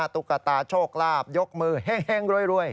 ตุ๊กตาโชคลาภยกมือเฮ่งรวย